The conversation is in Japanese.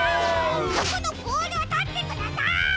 そこのボールをとってください！